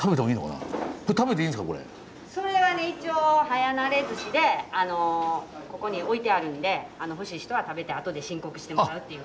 それはね一応早なれ寿しでここに置いてあるんで欲しい人は食べてあとで申告してもらうっていう形なんですけど。